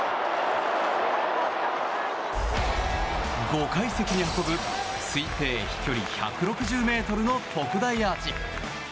５階席に運ぶ推定飛距離１６０ｍの特大アーチ。